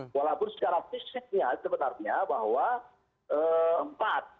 walaupun secara fisiknya sebenarnya bahwa empat